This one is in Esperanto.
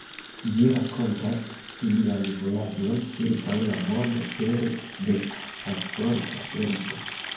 Ĝi rakontas ilian vojaĝon ĉirkaŭ la mondo pere de Pasporta Servo.